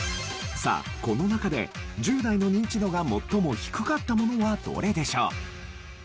さあこの中で１０代のニンチドが最も低かったものはどれでしょう？